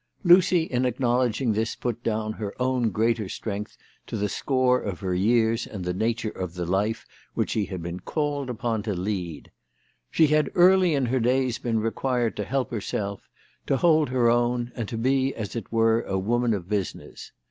Lucy in acknowledging this put down her own greater strength to the score of her years and the nature of the life which she had been called upon to lead. She had early in her days been required to help herself, to hold her own, and to be as it were a woman of business.